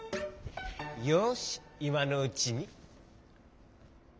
よしいまのうちに。